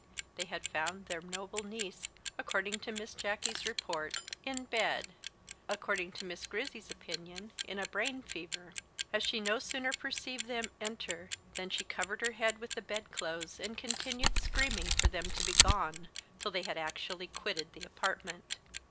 They had found their noble niece, according to Miss Jacky's report, in bed according to Miss Grizzy's opinion, in a brain fever; as she no sooner perceived them enter, than she covered her head with the bedclothes, and continued screaming for them to be gone, till they had actually quitted the apartment."